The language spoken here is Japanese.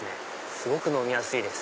すごく飲みやすいです。